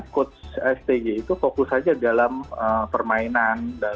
coach stg itu fokus saja dalam permainan